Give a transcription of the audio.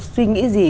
suy nghĩ gì